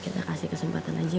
kita kasih kesempatan aja